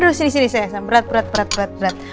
aduh sini sini sayang berat berat berat